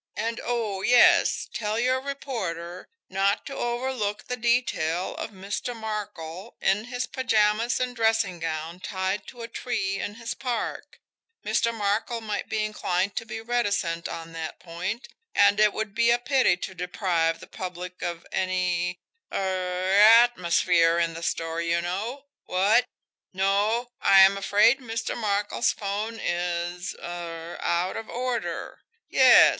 And, oh, yes, tell your reporter not to overlook the detail of Mr. Markel in his pajamas and dressing gown tied to a tree in his park Mr. Markel might be inclined to be reticent on that point, and it would be a pity to deprive the public of any er 'atmosphere' in the story, you know. ... What? ... No; I am afraid Mr. Markel's 'phone is er out of order. ... Yes.